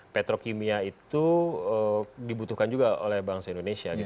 petrokimia itu dibutuhkan juga oleh bangsa indonesia